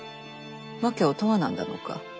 訳を問わなんだのか？